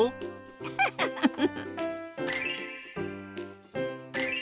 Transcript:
フフフフフフ。